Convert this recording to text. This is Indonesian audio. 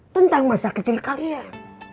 tentang masa kecil kalian